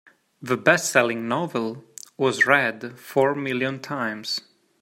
The bestselling novel was read four million times.